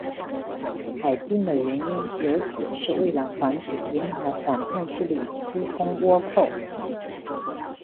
海禁的原因有指是为了防止沿海反叛势力私通倭寇。